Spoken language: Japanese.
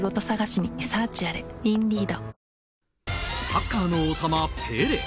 サッカーの王様ペレ。